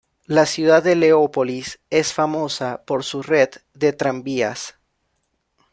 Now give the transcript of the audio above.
La ciudad de Leópolis es famosa por su red de tranvías.